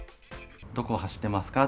どこを走ってますか？